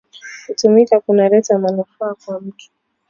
Kutumika kuna leta mafaa kwa mutu